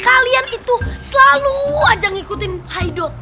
kalian itu selalu ajang ngikutin haidot